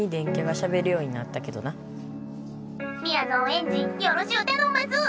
みやぞんエンジよろしゅうたのんます！